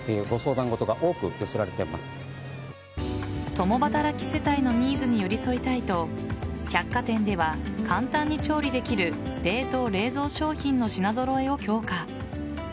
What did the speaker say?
共働き世帯のニーズに寄り添いたいと百貨店では簡単に調理できる冷凍・冷蔵商品の品揃えを強化。